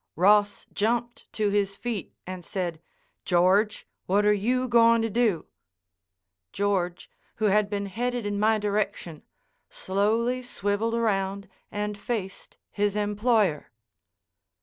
Ross jumped to his feet, and said: "George, what are you goin' to do?" George, who had been headed in my direction, slowly swivelled around and faced his employer.